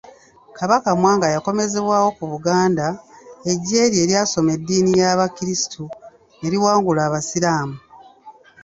Kabaka Mwanga yakomezebwawo ku Buganda, eggye lye ery'abasoma eddiini ya Kristu ne liwangula Abaisiraamu.